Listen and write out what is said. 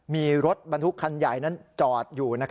มีรถบรรทุกคันใหญ่นั้นจอดอยู่